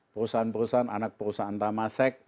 perusahaan perusahaan anak perusahaan tema seks